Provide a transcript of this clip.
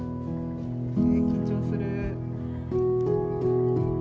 え緊張する。